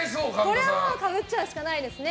これはもうかぶっちゃうしかないですね。